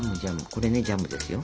これねジャムですよ。